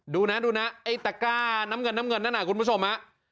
ดูนะไอ้ตะกร้าน้ำเงินนั่นน่ะคุณผู้ชม